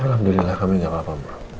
alhamdulillah kami gapapa